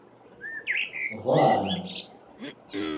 Ḍaɛent.